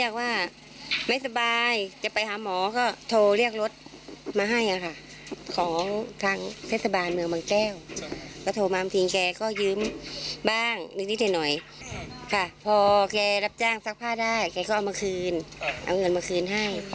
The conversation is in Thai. พอแกรับจ้างซักผ้าได้แกก็เอามาคืนเอาเงินมาคืนให้